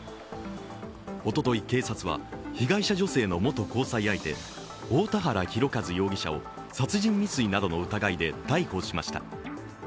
おととい、警察は被害者女性の元交際相手、大田原広和容疑者を殺人未遂などの疑いで逮捕しました。